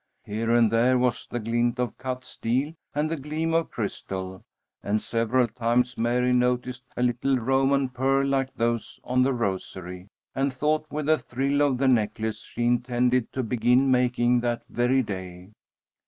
Here and there was the glint of cut steel and the gleam of crystal, and several times Mary noticed a little Roman pearl like those on the rosary, and thought with a thrill of the necklace she intended to begin making that very day.